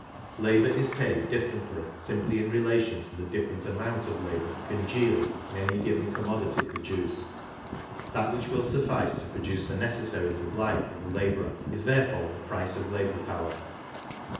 Labour is paid differently simply in relatton to the Sifferent amount of labour " congealed " 28 KARL MARX in any given commodity produced. That which will suffice to produce the necessaries of life for the labourer is therefore th^_price_ol labour power.